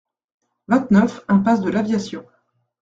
vingt-neuf impasse de la l'Aviation